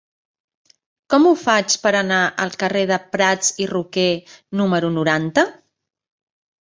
Com ho faig per anar al carrer de Prats i Roquer número noranta?